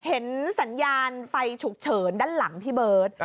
เห็นสัญญาณไฟฉุกเฉินด้านหลังพี่เบิร์ต